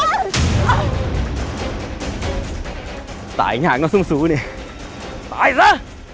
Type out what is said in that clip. ตายอย่างห่างแล้วสุ่มสูงนี่ตายซะ